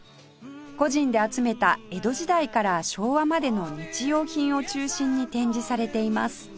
個人で集めた江戸時代から昭和までの日用品を中心に展示されています